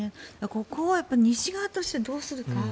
ここは西側としてどうするか。